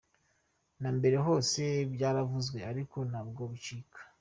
Na mbere hose byaravuzwe ariko ntabwo bicika.